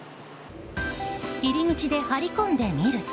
入り口で張り込んでみると。